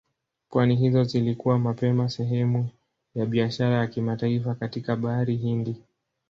Pwani hizo zilikuwa mapema sehemu ya biashara ya kimataifa katika Bahari Hindi.